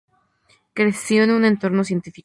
Creció en un entorno científico.